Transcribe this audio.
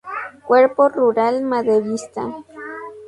Cuerpo Rural maderista.